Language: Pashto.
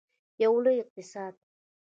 یو لوی اقتصاد.